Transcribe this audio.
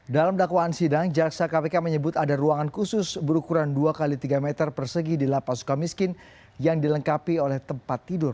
dalam dakwaan sidang jaksa kpk menyebut ada ruangan khusus berukuran dua x tiga meter persegi di lapas suka miskin yang dilengkapi oleh tempat tidur